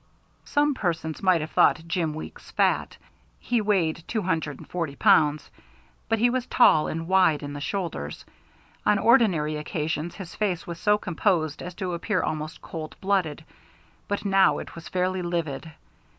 Some persons might have thought Jim Weeks fat. He weighed two hundred and forty pounds, but he was tall and wide in the shoulder. On ordinary occasions his face was so composed as to appear almost cold blooded, but now it was fairly livid.